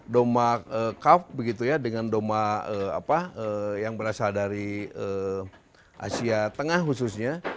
domba kav begitu ya dengan domba apa yang berasal dari asia tengah khususnya